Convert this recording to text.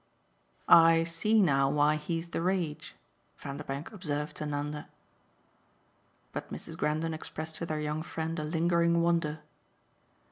"I see now why he's the rage!" Vanderbank observed to Nanda. But Mrs. Grendon expressed to their young friend a lingering wonder.